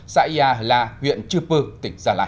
xã yà la huyện chư pư tỉnh gia lai